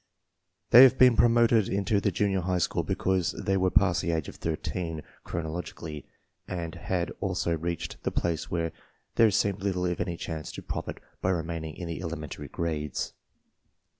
They have been promoted into the junior high school because they were past the age of thirteen, chronologically, and had also reached the place where there seemed little if any chance to profit by remaining in the elementary grades.